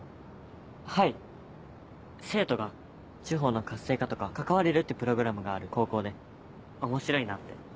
はい生徒が地方の活性化とか関われるってプログラムがある高校で面白いなって。